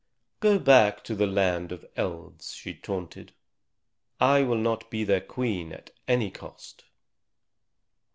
"Go back to the land of Elves," she taunted; "I will not be their Queen at any cost."